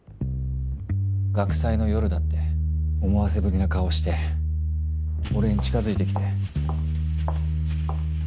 学祭の夜だって思わせぶりな顔して俺に近づいてきて。